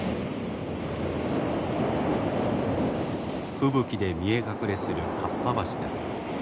吹雪で見え隠れする河童橋です。